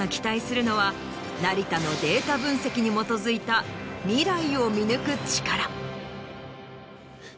成田のデータ分析に基づいた未来を見抜く力。